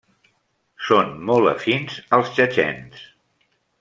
Són molt afins als txetxens.